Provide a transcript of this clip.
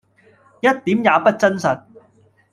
一點也不真實！